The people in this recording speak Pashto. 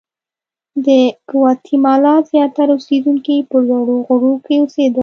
د ګواتیمالا زیاتره اوسېدونکي په لوړو غرونو کې اوسېدل.